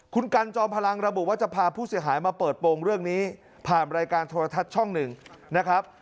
คุณกันจอมพลังระบุว่าจะพาผู้เสียหายมาเปิดโปรงเรื่องนี้ผ่านรายการโทรทัศน์ช่องหนึ่งนะครับ